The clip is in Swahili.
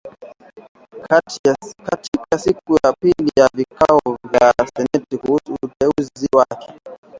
Katika siku ya pili ya vikao vya seneti kuhusu uteuzi wake